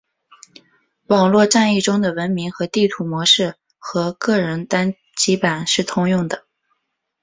网络战役中的文明和地图模式和个人单机版是通用的。